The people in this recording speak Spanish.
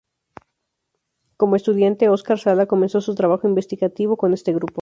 Como estudiante, Oscar Sala comenzó su trabajo investigativo con este grupo.